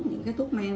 những thuốc men